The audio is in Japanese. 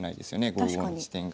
５五の地点が。